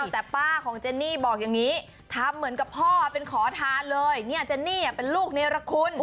แต่ป้าของเจนนี่บอกอย่างนี้ทำเหมือนกับพ่อเป็นขอทานเลยเนี่ยเจนนี่เป็นลูกเนรคุณ